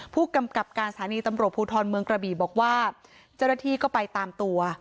ผู้กำกับการสถานีตำรวจภูทรเมืองกระบี่บอกว่าเจ้าหน้าที่ก็ไปตามตัว